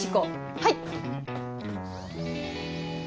はい！